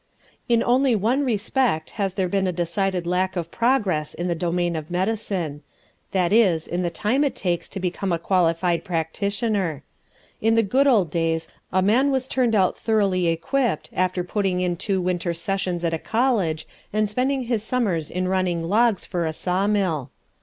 In only one respect has there been a decided lack of progress in the domain of medicine, that is in the time it takes to become a qualified practitioner. In the good old days a man was turned out thoroughly equipped after putting in two winter sessions at a college and spending his summers in running logs for a sawmill.